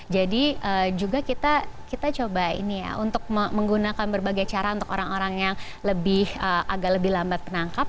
jadi juga kita coba ini ya untuk menggunakan berbagai cara untuk orang orang yang agak lebih lambat penangkap